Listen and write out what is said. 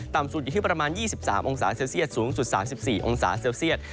สุดอยู่ที่ประมาณ๒๓องศาเซลเซียตสูงสุด๓๔องศาเซลเซียต